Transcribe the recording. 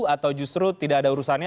atau justru tidak ada urusannya